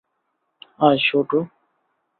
আয়, শুটু।